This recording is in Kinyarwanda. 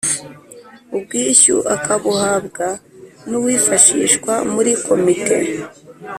ubwishyu akabuhabwa n uwifashishwa muri komite